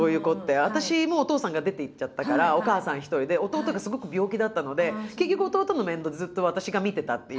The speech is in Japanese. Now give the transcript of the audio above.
私もお父さんが出ていっちゃったからお母さん一人で弟がすごく病気だったので結局弟の面倒ずっと私が見てたっていう感じ。